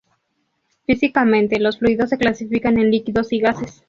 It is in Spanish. Físicamente los fluidos se clasifican en líquidos y gases.